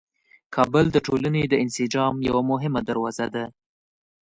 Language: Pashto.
کابل د ټولنې د انسجام یوه مهمه دروازه ده.